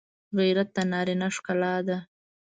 غیرت د نارینه ښکلا ده